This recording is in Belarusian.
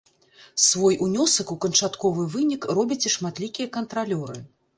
Свой унёсак у канчатковы вынік робяць і шматлікія кантралёры.